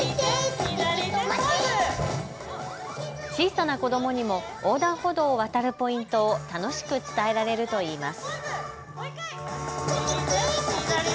小さな子どもにも横断歩道を渡るポイントを楽しく伝えられるといいます。